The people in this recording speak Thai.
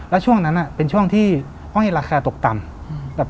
แล้วช่วงนั้นเป็นช่วงที่ห้อยราคาตกต่ำ